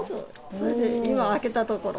それで、今開けたところ。